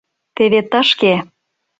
Теве тышке...